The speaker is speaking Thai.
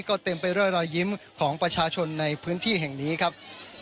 ก็เต็มไปด้วยรอยยิ้มของประชาชนในพื้นที่แห่งนี้ครับ